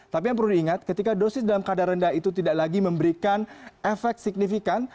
tapi yang perlu diingat ketika dosis dalam kadar rendah itu tidak lagi memberikan efek signifikan